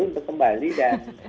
untuk kembali dan